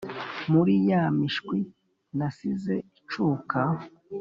Muri ya mishwi nasize icuka.